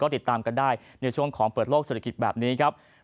ติดตามกันได้ในช่วงของเปิดโลกเศรษฐกิจแบบนี้ครับ